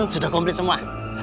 sudah komplit semua